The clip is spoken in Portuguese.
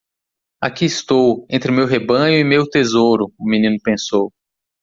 Aqui estou? entre meu rebanho e meu tesouro? o menino pensou.